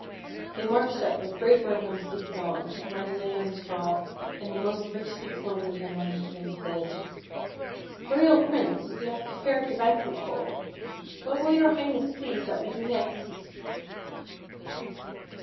They marched up with great reverence to the dog, where he lay on the straw, and the most richly clothed among them said: "Royal Prince, we have prepared the banquet hall. What will Your Highness please that we do next?"